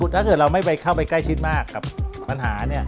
ถ้าเกิดเราไม่เข้าไปใกล้ชิดมากกับปัญหา